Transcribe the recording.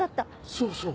そうそう。